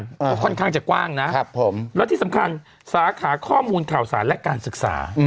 ก็ค่อนข้างจะกว้างนะครับผมและที่สำคัญสาขาข้อมูลข่าวสารและการศึกษา